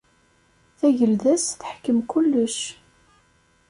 Tagelda-s teḥkem kullec.